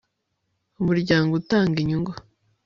umuryango utanga inyungu